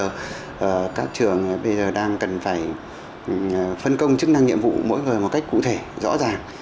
và các trường bây giờ đang cần phải phân công chức năng nhiệm vụ mỗi người một cách cụ thể rõ ràng